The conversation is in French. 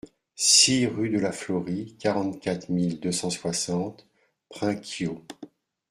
six rue de la Florie, quarante-quatre mille deux cent soixante Prinquiau